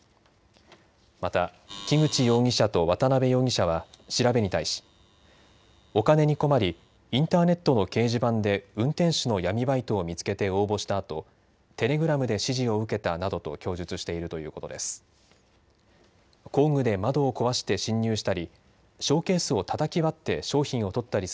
また、木口容疑者と渡辺容疑者は調べに対しお金に困りインターネットの掲示板で運転手の闇バイトを見つけて応募したあとテレグラムで指示を受けたなどと供述しているということです。